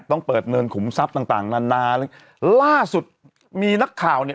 ต้องเปิดเนินขุมทรัพย์ต่างต่างนานาล่าสุดมีนักข่าวเนี่ย